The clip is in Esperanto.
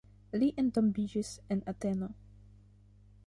Li entombiĝis en Ateno.